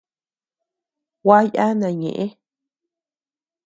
Gua yana ñeʼë.